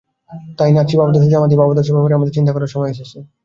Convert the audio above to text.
তাই নাৎসি ভাবাদর্শের মতো জামায়াতি ভাবাদর্শের ব্যাপারেও আমাদের চিন্তা করার সময় এসেছে।